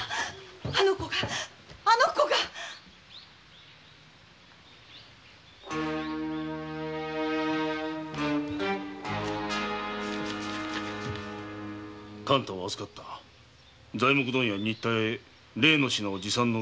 あの子があの子が「勘太は預かった」「材木問屋・新田屋へ例の品を持参のうえ話し合いたし」